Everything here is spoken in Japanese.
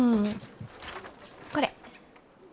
これ。